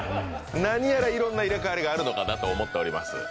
何やら、いろんな入れ代わりがあるのかなと思っております。